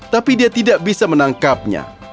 tapi dia tidak bisa menangkapnya